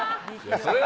それ。